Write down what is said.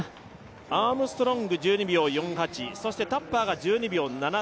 アームストロング、１２秒４８そしてタッパーが１２秒７３。